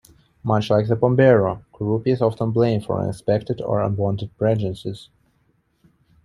Much like the Pombero, Kurupi is often blamed for unexpected or unwanted pregnancies.